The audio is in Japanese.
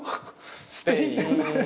スペイン。